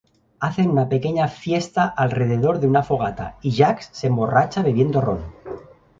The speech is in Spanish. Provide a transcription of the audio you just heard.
Hacen una pequeña fiesta alrededor de una fogata y Jack se emborracha bebiendo Ron.